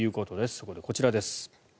そこでこちらです。